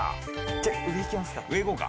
じゃあ上いきますか。